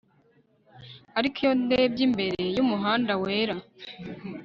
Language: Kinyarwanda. Ariko iyo ndebye imbere yumuhanda wera